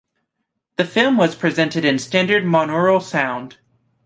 The film was presented in standard monaural sound.